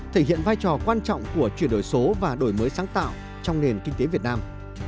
thể hiện vai trò quan trọng của chuyển đổi số và đổi mới sáng tạo trong nền kinh tế việt nam